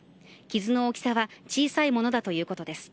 傷の大きさは小さいものだということです。